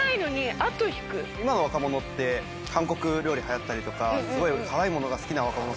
今若者って韓国料理流行ったりとかすごい辛いものが好きな若者